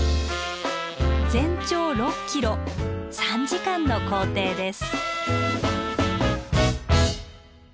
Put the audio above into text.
全長６ｋｍ３時間の行程です。